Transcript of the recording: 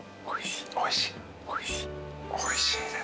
おいしい。